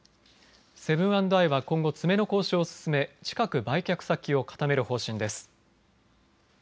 セブン＆アイは今後、詰めの交渉を進め近く売却先を固める方針です。